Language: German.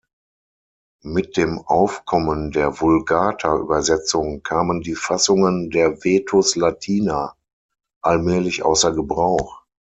Mit dem Aufkommen der Vulgata-Übersetzung kamen die Fassungen der Vetus Latina allmählich außer Gebrauch.